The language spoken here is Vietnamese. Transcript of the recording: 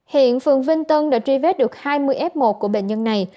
hiện phường vinh tân đã truy vết được hai mươi f một của bệnh nhân này